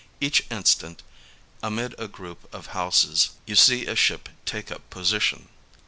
Each instant, amid a group of houses, you see a ship take up position.